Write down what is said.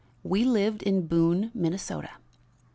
We lived in Boone, Minnesota.